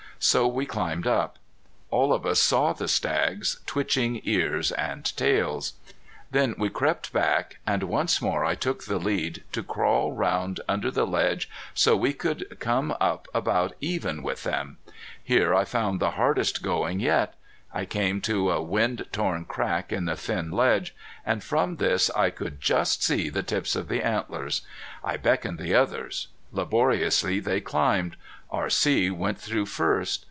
So we climbed up. All of us saw the stags, twitching ears and tails. Then we crept back, and once more I took the lead to crawl round under the ledge so we could come up about even with them. Here I found the hardest going yet. I came to a wind worn crack in the thin ledge, and from this I could just see the tips of the antlers. I beckoned the others. Laboriously they climbed. R.C. went through first.